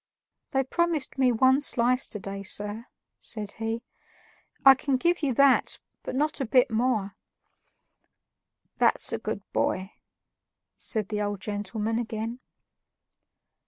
"They promised me one slice to day, sir," said he; "I can give you that, but not a bit more." "That's a good boy," said the old gentleman again.